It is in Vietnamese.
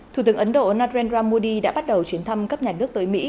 thủ tướng ấn độ narendra modi đã bắt đầu chuyến thăm cấp nhà nước tới mỹ